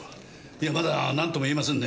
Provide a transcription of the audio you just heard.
いやまだなんともいえませんね。